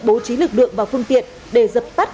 bố trí lực lượng và phương tiện để dập tắt